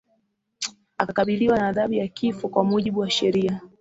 akakabiliwa na adhabu ya kifo kwa mujibu wa sheria